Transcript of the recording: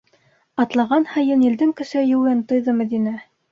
Атлаған һайын елдең көсәйеүен тойҙо Мәҙинә.